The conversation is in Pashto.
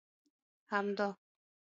همدا!